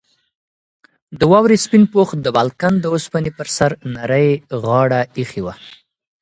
د واورې سپین پوښ د بالکن د اوسپنې پر سر نرۍ غاړه ایښې وه.